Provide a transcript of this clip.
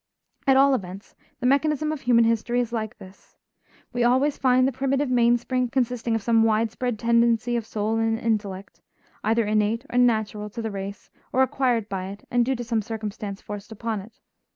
At all events, the mechanism of human history is like this. We always find the primitive mainspring consisting of some widespread tendency of soul and intellect, either innate and natural to the race or acquired by it and due to some circumstance forced upon it.